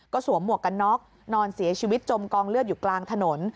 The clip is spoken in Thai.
สวมหมวกกันน็อกนอนเสียชีวิตจมกองเลือดอยู่กลางถนน